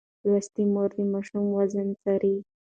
لوستې مور د ماشوم وزن څاري.